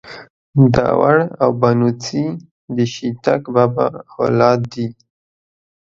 داوړ او بنوڅي ده شيتک بابا اولاد دې.